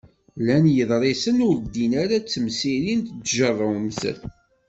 Llan yeḍrisen ur ddin ara d temsirin n tjerrumt.